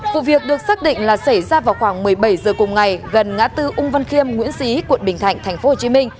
vụ việc được xác định là xảy ra vào khoảng một mươi bảy h cùng ngày gần ngã tư ung văn khiêm nguyễn xí quận bình thạnh tp hcm